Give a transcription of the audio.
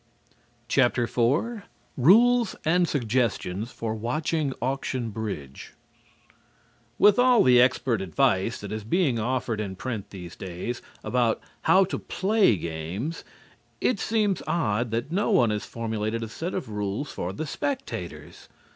IV RULES AND SUGGESTIONS FOR WATCHING AUCTION BRIDGE With all the expert advice that is being offered in print these days about how to play games, it seems odd that no one has formulated a set of rules for the spectators.